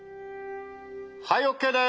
はいＯＫです！